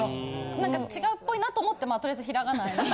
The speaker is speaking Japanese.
・なんか違うっぽいなって思ってまあとりあえず平仮名に。